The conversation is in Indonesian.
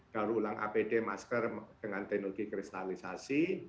daur ulang apd masker dengan teknologi kristalisasi